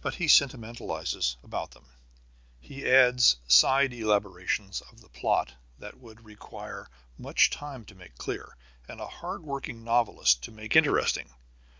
But he sentimentalizes about them. He adds side elaborations of the plot that would require much time to make clear, and a hard working novelist to make interesting.